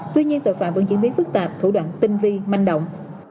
tuy nhiên tội phạm vẫn diễn biến phức tạp thủ đoạn tinh vi manh động